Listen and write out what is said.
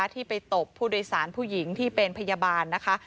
ที่ไปตบผู้โดยสารผู้หญิงที่เป็นพยาบาลนะคะ